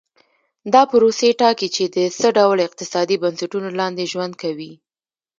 دا پروسې ټاکي چې د څه ډول اقتصادي بنسټونو لاندې ژوند کوي.